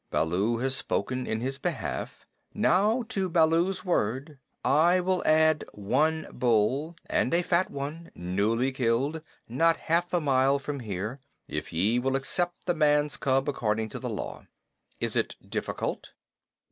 Baloo has spoken in his behalf. Now to Baloo's word I will add one bull, and a fat one, newly killed, not half a mile from here, if ye will accept the man's cub according to the Law. Is it difficult?"